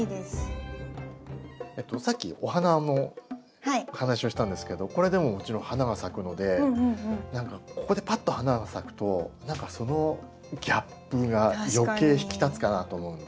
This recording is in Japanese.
さっきお花の話をしたんですけどこれでももちろん花が咲くので何かここでパッと花が咲くと何かそのギャップが余計引き立つかなと思うんで。